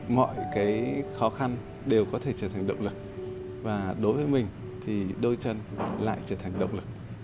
mọi cái khó khăn đều có thể trở thành động lực và đối với mình thì đôi chân lại trở thành động lực